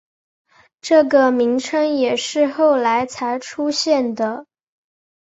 这个名称也是后来才出现的。